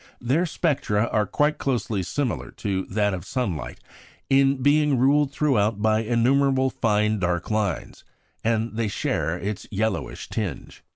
Their spectra are quite closely similar to that of sunlight, in being ruled throughout by innumerable fine dark lines; and they share its yellowish tinge.